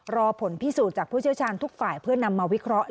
รอผลพิสูจน์จากผู้เชี่ยวชาญทุกฝ่ายเพื่อนำมาวิเคราะห์